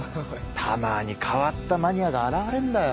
たまに変わったマニアが現れんだよ。